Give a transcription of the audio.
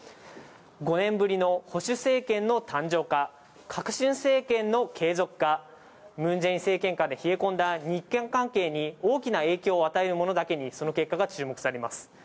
５年ぶりの保守政権の誕生か、革新政権の継続か、ムン・ジェイン政権下で冷え込んだ日韓関係に影響を与えるものだけに、その選挙結果が注目されています。